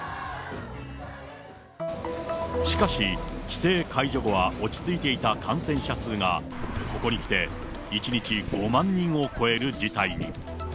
しかし、規制解除後は落ち着いていた感染者数が、ここにきて、１日５万人を超える事態に。